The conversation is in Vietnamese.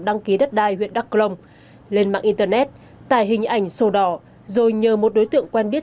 đăng ký đất đai huyện đắk lông lên mạng internet tải hình ảnh sổ đỏ rồi nhờ một đối tượng quen biết